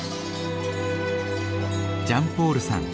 ジャンポールさん。